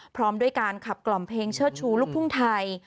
พร้อมด้วยการขับกล่อมเพลงเชิดชูลูกทุ่งไทย